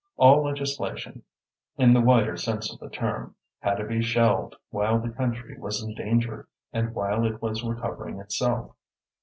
All legislation, in the wider sense of the term, had to be shelved while the country was in danger and while it was recovering itself.